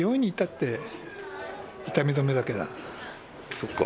そっか。